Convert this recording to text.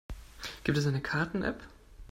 Gibt es eine Karten-App?